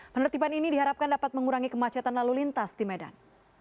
penertiban ini diharapkan dapat mengurangi kemacetan lalu lintas di medan